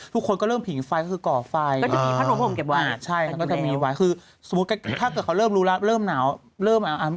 ทุกคนก็เริ่มผิงไฟก็คือเกาะไฟ